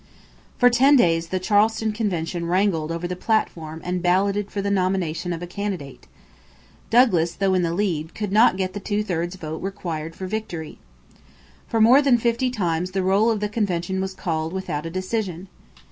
For ten days the Charleston convention wrangled over the platform and balloted for the nomination of a candidate. Douglas, though in the lead, could not get the two thirds vote required for victory. For more than fifty times the roll of the convention was called without a decision.